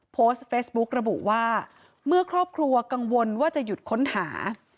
โพสต์เฟซบุ๊กระบุว่าเมื่อครอบครัวกังวลว่าจะหยุดค้นหา